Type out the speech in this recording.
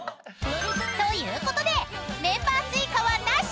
［ということでメンバー追加はなし］